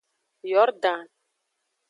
Yordan.